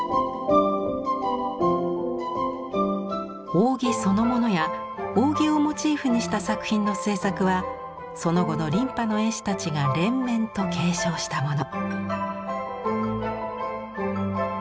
扇そのものや扇をモチーフにした作品の制作はその後の琳派の絵師たちが連綿と継承したもの。